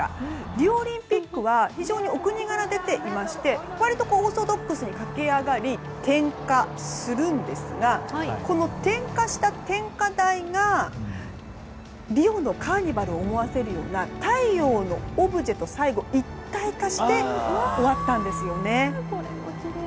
リオオリンピックは非常にお国柄が出ていまして割とオーソドックスに駆け上がり点火するんですがこの点火した点火台がリオのカーニバルを思わせるような太陽のオブジェと最後一体化して終わったんですね。